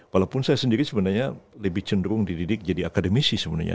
walaupun saya sendiri sebenarnya lebih cenderung dididik jadi akademisi sebenarnya